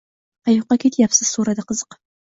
-Qayoqqa ketyapsiz? – so’radi qiziqib.